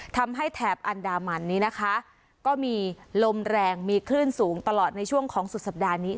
แถบอันดามันนี้นะคะก็มีลมแรงมีคลื่นสูงตลอดในช่วงของสุดสัปดาห์นี้